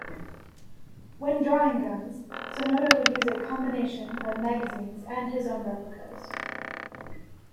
When drawing guns, Sonoda would use a combination of magazines and his own replicas.